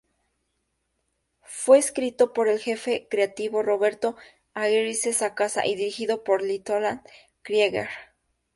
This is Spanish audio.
Fue escrito por el jefe creativo Roberto Aguirre-Sacasa, y dirigido por Lee Toland Krieger.